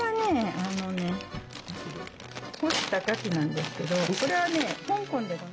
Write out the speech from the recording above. あのね干したかきなんですけどこれはね